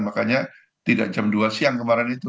makanya tidak jam dua siang kemarin itu